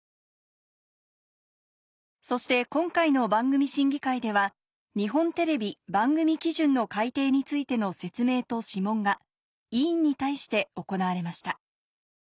そして今回の番組審議会では日本テレビ番組基準の改訂についての説明と諮問が委員に対して行われました